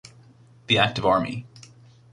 The active army.